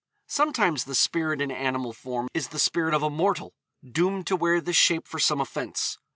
Sometimes the spirit in animal form is the spirit of a mortal, doomed to wear this shape for some offence.